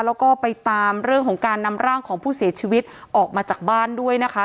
แล้วก็ไปตามเรื่องของการนำร่างของผู้เสียชีวิตออกมาจากบ้านด้วยนะคะ